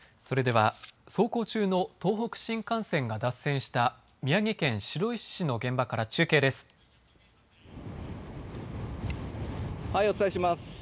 それでは走行中の東北新幹線が脱線した宮城県白石市の現場から中継です。